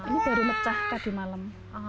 ini baru mecah kak di malam